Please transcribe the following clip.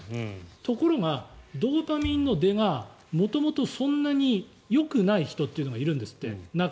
ところが、ドーパミンの出が元々そんなによくない人がいるんですって。